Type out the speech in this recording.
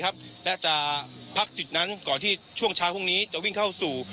และจะพักจุดนั้นก่อนที่ช่วงเช้าพรุ่งนี้จะวิ่งเข้าสู่